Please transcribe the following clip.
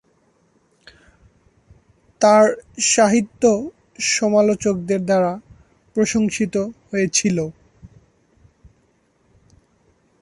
তার সাহিত্য সমালোচকদের দ্বারা প্রশংসিত হয়েছিল।